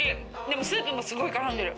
でもスープもすごい絡んでる。